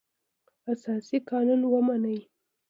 اساسي قانون ومني.